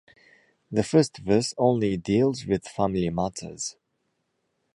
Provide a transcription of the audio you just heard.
The first verse only deals with family matters.